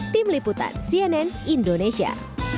tim liputan cnn indonesia